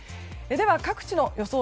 では各地の予想